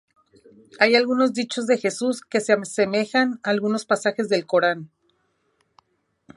Hay algunos dichos de Jesús que se asemejan a algunos pasajes del Corán.